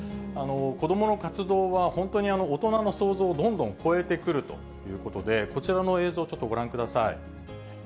子どもの活動は、本当に大人の想像をどんどん超えてくるということで、こちらの映像、ちょっとご覧ください。